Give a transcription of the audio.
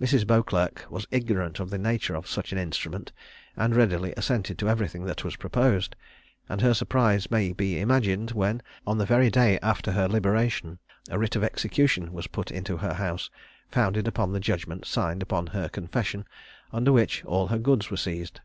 Mrs. Beauclerc was ignorant of the nature of such an instrument, and readily assented to everything that was proposed; and her surprise may be imagined when, on the very day after her liberation, a writ of execution was put into her house, founded upon the judgment signed upon her confession, under which all her goods were seized.